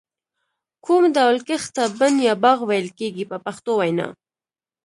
کوم ډول کښت ته بڼ یا باغ ویل کېږي په پښتو وینا.